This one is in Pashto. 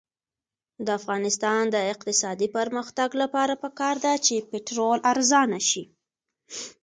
د افغانستان د اقتصادي پرمختګ لپاره پکار ده چې پټرول ارزانه شي.